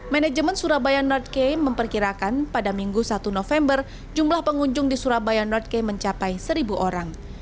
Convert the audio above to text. manajemen surabaya north key memperkirakan pada minggu satu november jumlah pengunjung di surabaya north key mencapai seribu orang